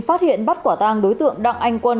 phát hiện bắt quả tang đối tượng đặng anh quân